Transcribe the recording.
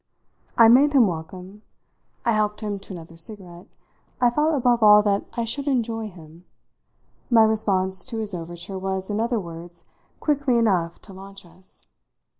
I made him welcome, I helped him to another cigarette, I felt above all that I should enjoy him; my response to his overture was, in other words, quickly enough to launch us.